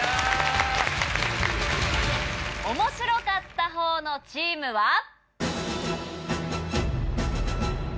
面白かったほうのチームは。